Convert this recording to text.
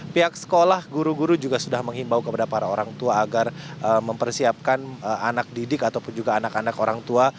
pihak sekolah guru guru juga sudah menghimbau kepada para orang tua agar mempersiapkan anak didik ataupun juga anak anak orang tua